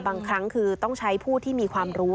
บางครั้งคือต้องใช้ผู้ที่มีความรู้